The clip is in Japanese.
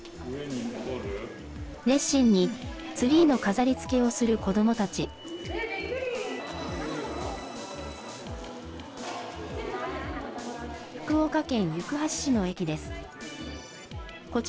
熱心にツリーの飾りつけをする子どもたち。